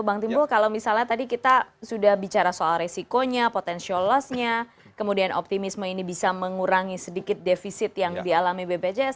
bang timbul kalau misalnya tadi kita sudah bicara soal resikonya potensial loss nya kemudian optimisme ini bisa mengurangi sedikit defisit yang dialami bpjs